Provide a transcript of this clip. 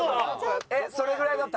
えっそれぐらいだった？